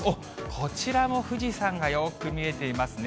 こちらも富士山がよく見えていますね。